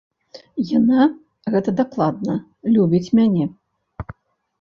Яна, гэта дакладна, любіць мяне.